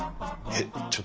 えっ